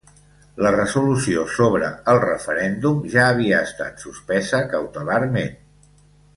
La resolució sobre el referèndum ja havia estat suspesa cautelarment.